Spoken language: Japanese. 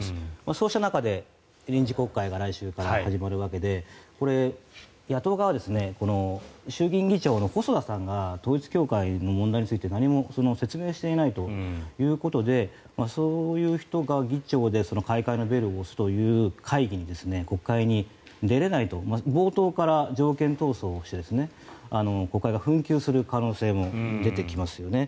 そうした中で臨時国会が来週から始まるわけでこれ、野党側は衆院議長の細田さんが統一教会の問題について何も説明していないということでそういう人が議長で開会のベルを鳴らすという会議、国会に出れないと冒頭から条件闘争をして国会が紛糾する可能性も出てきますよね。